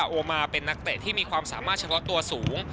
รับว่าโอมาเป็นนักเตะที่มีความสามารถเช็คเลาะตัวสูง